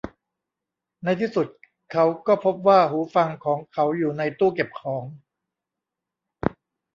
ในที่สุดเขาก็พบว่าหูฟังของเขาอยู่ในตู้เก็บของ